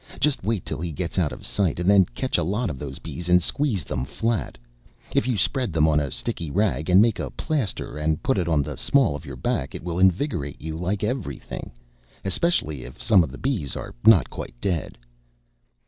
Just wait till he gets out of sight, and then catch a lot of those bees, and squeeze them flat. If you spread them on a sticky rag, and make a plaster, and put it on the small of your back, it will invigorate you like every thing, especially if some of the bees are not quite dead."